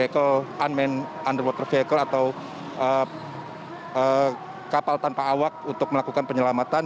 ke kapal tanpa awak untuk melakukan penyelamatan